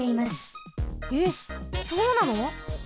えっそうなの？